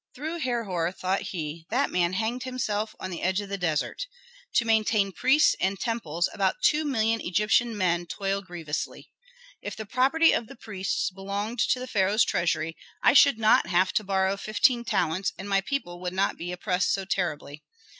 "Through Herhor," thought he, "that man hanged himself on the edge of the desert. To maintain priests and temples about two million Egyptian men toil grievously. If the property of the priests belonged to the pharaoh's treasury, I should not have to borrow fifteen talents and my people would not be oppressed so terribly.